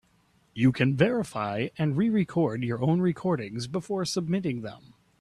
You can verify and re-record your own recordings before submitting them.